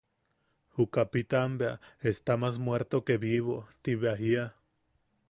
Ju kapitan bea: –Está más muerto que vivo, ti bea jiia.